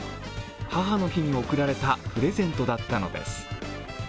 母の日に贈られたプレゼントだったのです。